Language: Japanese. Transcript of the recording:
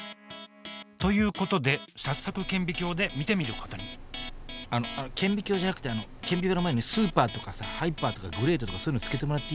ということで早速顕微鏡で見てみることにあの顕微鏡じゃなくて顕微鏡の前にスーパーとかさハイパーとかグレートとかそういうの付けてもらっていい？